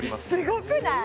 すごくない！？